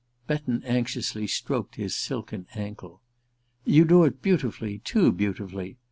Betton anxiously stroked his silken ankle. "You do it beautifully, too beautifully.